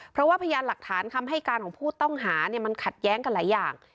เพราะว่าพยานหลักฐานคำให้การของผู้ต้องหามันขัดแย้งกันหลายอย่าง